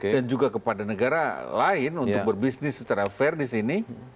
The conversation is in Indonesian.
dan juga kepada negara lain untuk berbisnis secara fair disini